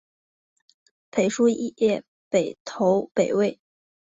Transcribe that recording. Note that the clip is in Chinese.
裴叔业北投北魏。